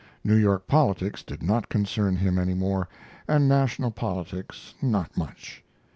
New York politics did not concern him any more, and national politics not much.